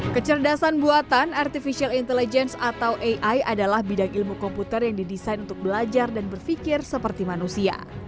kecerdasan buatan artificial intelligence atau ai adalah bidang ilmu komputer yang didesain untuk belajar dan berpikir seperti manusia